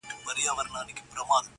د آدب ټوله بهير را سره خاندي-